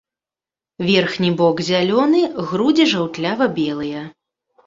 Верхні бок зялёны, грудзі жаўтлява-белыя.